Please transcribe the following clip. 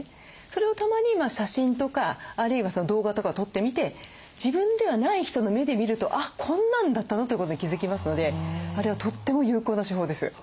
それをたまに写真とかあるいは動画とかを撮ってみて自分ではない人の目で見るとあっこんなんだったの？ということに気付きますのであれはとっても有効な手法です。